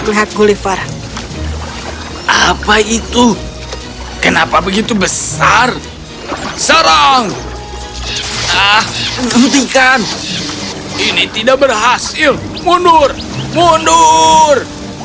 melihat gulliver apa itu kenapa begitu besar serang ah menghentikan ini tidak berhasil mundur